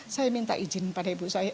saya minta izin pada ibu saya